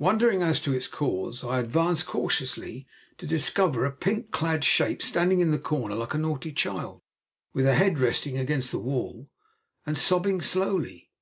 Wondering as to its cause, I advanced cautiously to discover a pink clad shape standing in the corner like a naughty child, with her head resting against the wall, and sobbing slowly.